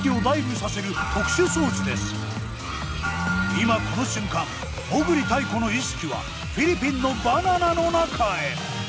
今この瞬間裳繰泰子の意識はフィリピンのバナナの中へ。